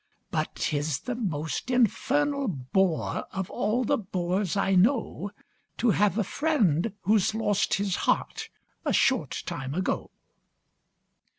But 'tis the most infernal bore, Of all the bores I know, To have a friend who's lost his heart A short time ago.